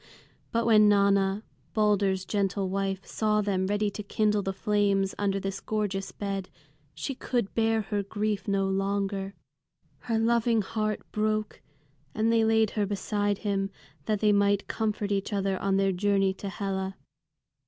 But when Nanna, Balder's gentle wife, saw them ready to kindle the flames under this gorgeous bed, she could bear her grief no longer. Her loving heart broke, and they laid her beside him, that they might comfort each other on their journey to Hela.